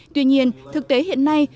tuy nhiên thực tế hiện nay